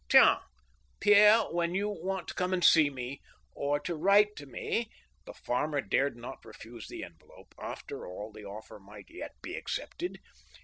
" Tiens! Pierre, when you want to come and see me, or to write to me —" The farmer dared not refuse the envelope. After all, the offer might yet be accepted.